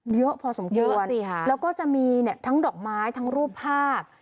เยอะพอสมควรแล้วก็จะมีทั้งดอกไม้ทั้งรูปภาพ